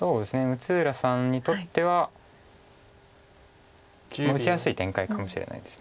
六浦さんにとっては打ちやすい展開かもしれないです。